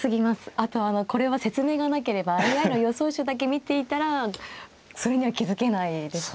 あとあのこれは説明がなければＡＩの予想手だけ見ていたら普通には気付けないですね。